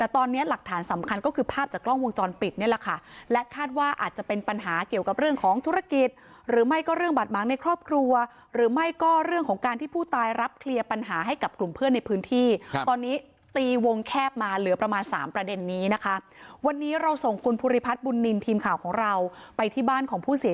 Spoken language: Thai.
ตอนนี้หลักฐานสำคัญก็คือภาพจากกล้องวงจรปิดนี่แหละค่ะและคาดว่าอาจจะเป็นปัญหาเกี่ยวกับเรื่องของธุรกิจหรือไม่ก็เรื่องบาดม้างในครอบครัวหรือไม่ก็เรื่องของการที่ผู้ตายรับเคลียร์ปัญหาให้กับกลุ่มเพื่อนในพื้นที่ตอนนี้ตีวงแคบมาเหลือประมาณสามประเด็นนี้นะคะวันนี้เราส่งคุณภูริพัฒน์บุญนินทีมข่าวของเราไปที่บ้านของผู้เสีย